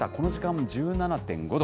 この時間、１７．５度。